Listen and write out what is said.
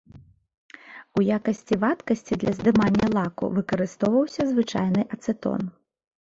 У якасці вадкасці для здымання лаку выкарыстоўваўся звычайны ацэтон.